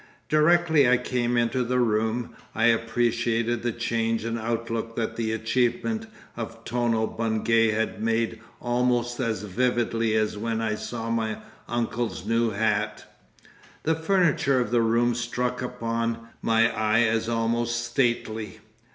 Directly I came into the room I appreciated the change in outlook that the achievement of Tono Bungay had made almost as vividly as when I saw my uncle's new hat. The furniture of the room struck upon my eye as almost stately.